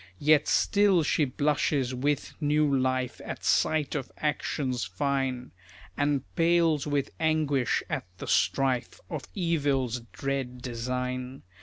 Yet still she blushes with new life At sight of actions fine, And pales with anguish at the strife Of evil's dread design.